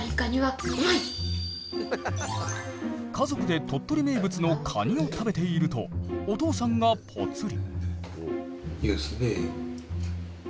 家族で鳥取名物のカニを食べているとお父さんがポツリ。